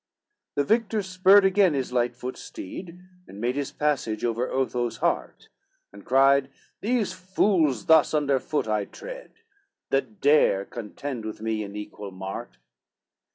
XXXVI The victor spurred again his light foot steed, And made his passage over Otho's heart, And cried, "These fools thus under foot I tread, That dare contend with me in equal mart."